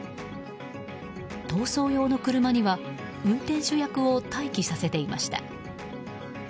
逃走用の車には運転手役を待機させていました。